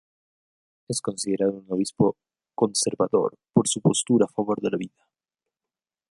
Es considerado un obispo conservador por su postura a favor de la vida.